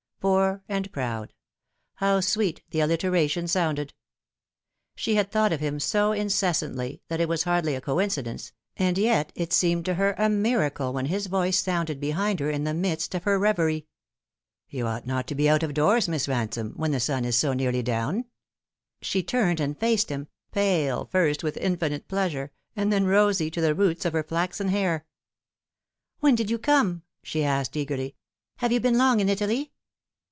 Poor and proud. How sweet the alliteration sounded ! She had thought of him so incessantly that it was hardly a coincidence, and yet it seemed to her a miracle when his voice sounded behind her in the midst of her reverie. " You ought not to be out of doors, Miss Ransome, when the sun is so nearly down." She turned and faced him, pale first with infinite pleasure, and then rosy to the roots of her flaxen hair. "When did you come?" she asked eagerly. "Have you been long in Italy